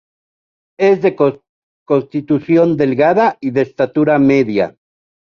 Es de constitución delgada y de estatura media.